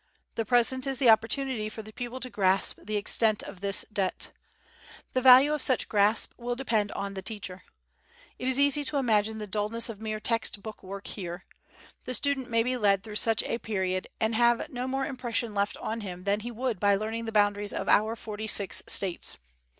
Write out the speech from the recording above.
The present is the opportunity for the pupil to grasp the extent of this debt. The value of such grasp will depend on the teacher. It is easy to imagine the dullness of mere text book work here. The student may be led through such a period, and have no more impression left on him than he would by learning the boundaries of our forty six States.